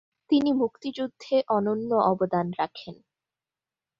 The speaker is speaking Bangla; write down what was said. তিনি মুক্তিযুদ্ধে অনন্য অবদান রাখেন।